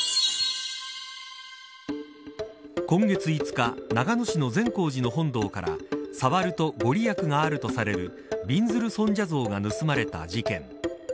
今月５日長野市の善光寺の本堂から触ると御利益があるとされるびんずる尊者像が盗まれた事件。